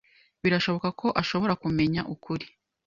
Birashoboka ko ashobora kumenya ukuri.